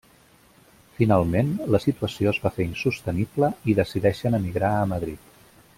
Finalment, la situació es va fer insostenible i decideixen emigrar a Madrid.